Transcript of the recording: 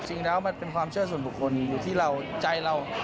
จริงแล้วมันเป็นความเชื่อส่วนบุคคลอยู่ที่เราใจเรา